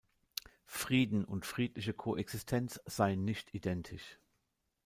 Frieden und friedliche Koexistenz seien nicht identisch.